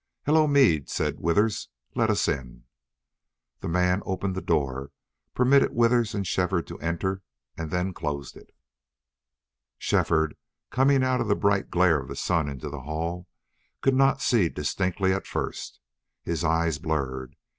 "Hello, Meade!" said Withers. "Let us in." The man opened the door, permitted Withers and Shefford to enter, and then closed it. Shefford, coming out of the bright glare of sun into the hall, could not see distinctly at first. His eyes blurred.